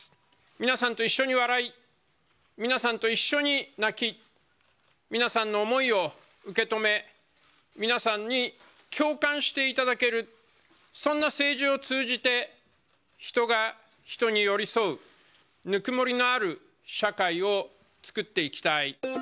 皆さんと一緒に笑い、皆さんと一緒に泣き、皆さんの思いを受け止め、皆さんに共感していただける、そんな政治を通じて、人が人に寄り添う、ぬくもりのある社会を作っていきたい。